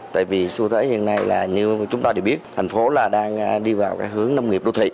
tại vì xu thế hiện nay là như chúng ta đã biết thành phố là đang đi vào cái hướng nông nghiệp đô thị